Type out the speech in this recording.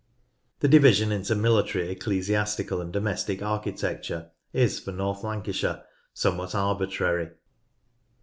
The division into military, ecclesiastical, and domestic architecture is, for North Lancashire, somewhat arbitrary.